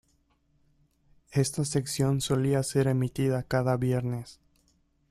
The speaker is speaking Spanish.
Esta sección solía ser emitida cada viernes.